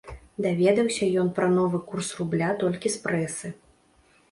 Даведаўся ён пра новы курс рубля толькі з прэсы.